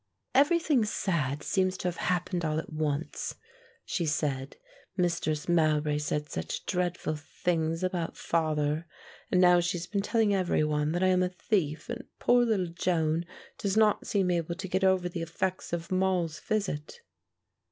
"Everything sad seems to have happened all at once," she said. "Mistress Mowbray said such dreadful things about father and now she has been telling every one that I am a thief and poor little Joan does not seem able to get over the effects of Moll's visit."